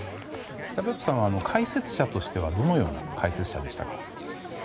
北別府さんは解説者としてはどのような解説者でしたか。